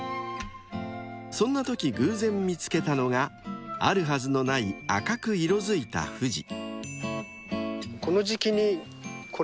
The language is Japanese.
［そんなとき偶然見つけたのがあるはずのない赤く色づいたふじ］